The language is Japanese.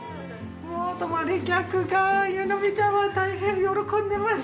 もう泊まり客が湯飲み茶わん大変喜んでます。